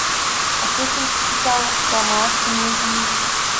Aceste instituții au rămas cu mult în urmă.